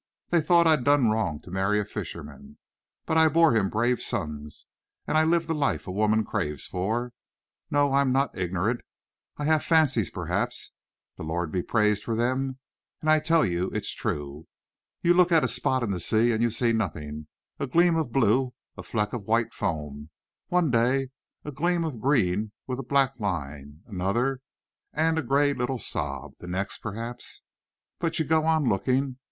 They thought I'd done wrong to marry a fisherman, but I bore him brave sons, and I lived the life a woman craves for. No, I am not ignorant. I have fancies, perhaps the Lord be praised for them! and I tell you it's true. You look at a spot in the sea and you see nothing a gleam of blue, a fleck of white foam, one day; a gleam of green with a black line, another; and a grey little sob, the next, perhaps. But you go on looking.